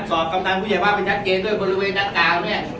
สอบกำตังค์ผู้ใหญ่บ้านไปชัดเกรดด้วยบริเวณด้านกลางเนี้ย